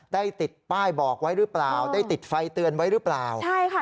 ได้ติดป้ายบอกไว้หรือเปล่าได้ติดไฟเตือนไว้หรือเปล่าใช่ค่ะ